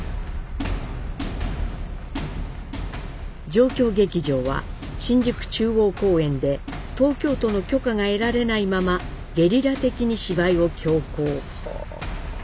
状況劇場は新宿中央公園で東京都の許可が得られないままゲリラ的に芝居を強行。